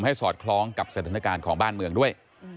สอดคล้องกับสถานการณ์ของบ้านเมืองด้วย